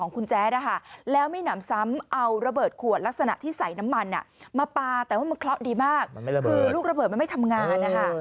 ของคุณแจ๊ดนะฮะแล้วไม่นามซ้ำเอาระเบิดขวดลักษณะที่ใส่น้ำมันมาปาแต่มันคลอดดีมากลูกระเบิดมันไม่ทำงานนะฮะ